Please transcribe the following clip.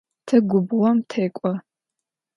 Te gubğom tek'o.